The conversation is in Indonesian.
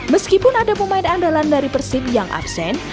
meskipun ada pemain andalan dari persib yang absen